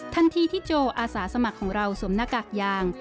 ทันทีที่โจอาสาสมัครของเราสวมหน้ากากยาง